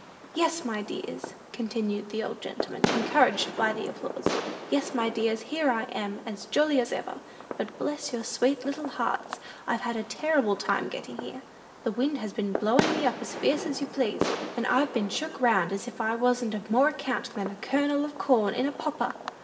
"Yes, my dears," continued the old gentleman, encouraged by the applause, "yes, my dears, here I am, as jolly as ever! But bless your sweet little hearts, I've had a terrible time getting here! The wind has been blowin' me up as fierce as you please, and I've been shook round as if I wasn't of more account than a kernel of corn in a popper!